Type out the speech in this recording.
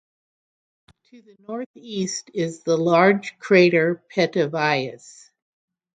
To the northeast is the large crater Petavius.